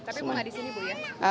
tapi bu nggak disini bu ya